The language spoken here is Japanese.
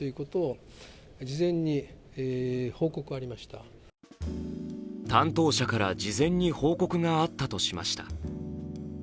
ただ担当者から事前に報告があったとしました。